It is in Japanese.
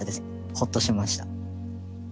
ほっとしました。